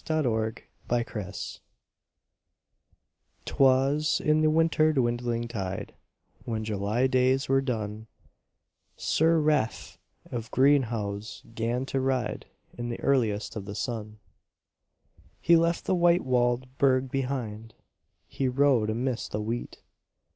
THE HALL AND THE WOOD 'Twas in the water dwindling tide When July days were done, Sir Rafe of Greenhowes 'gan to ride In the earliest of the sun. He left the white walled burg behind, He rode amidst the wheat.